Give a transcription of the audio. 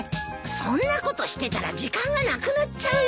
そんなことしてたら時間がなくなっちゃうよ。